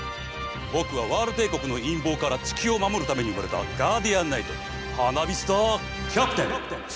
ぼくはワール帝国のいんぼうから地球をまもるために生まれたガーディアンナイトハナビスターキャプテン！